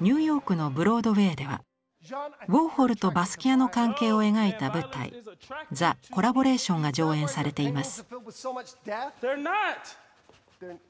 ニューヨークのブロードウェイではウォーホルとバスキアの関係を描いた舞台「ザ・コラボレーション」が上演されています。